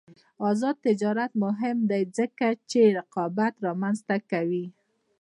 آزاد تجارت مهم دی ځکه چې رقابت رامنځته کوي.